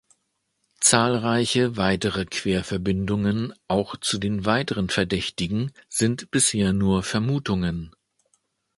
Zahlreiche weitere Querverbindungen, auch zu den weiteren Verdächtigen, sind bisher nur Vermutungen.